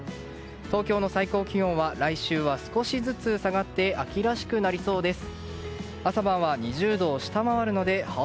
東京の最高気温は来週は少しずつ下がって秋らしくなりそうです。